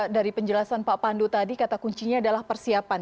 dari penjelasan pak pandu tadi kata kuncinya adalah persiapan